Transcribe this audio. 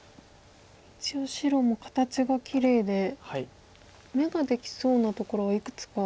一応白も形がきれいで眼ができそうなところはいくつか。